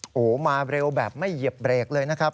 โอ้โหมาเร็วแบบไม่เหยียบเบรกเลยนะครับ